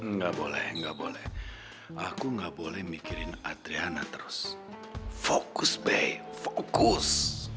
nggak boleh nggak boleh aku nggak boleh mikirin adriana terus fokus be fokus